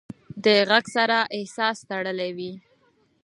له غږ سره احساس تړلی وي.